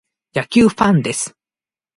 野球ファンです。